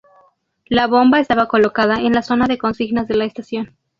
La bomba estaba colocada en la zona de consignas de la estación.